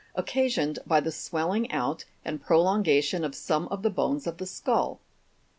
occasioned hy the swelling out and prolongation of some of the bones of the skull.